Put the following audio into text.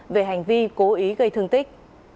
về hành vi cố ý gây thương tích